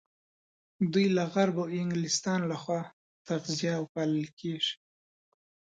دوی له غرب او انګلستان لخوا تغذيه او پالل کېږي.